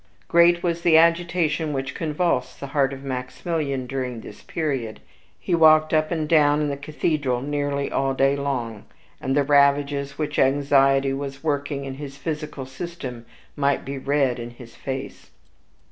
Great was the agitation which convulsed the heart of Maximilian during this period; he walked up and down in the cathedral nearly all day long, and the ravages which anxiety was working in his physical system might be read in his face.